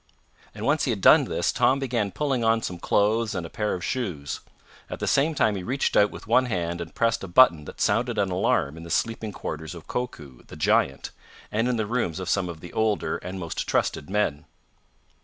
And once he had done this, Tom began pulling on some clothes and a pair of shoes. At the same time he reached out with one hand and pressed a button that sounded an alarm in the sleeping quarters of Koku, the giant, and in the rooms of some of the older and most trusted men.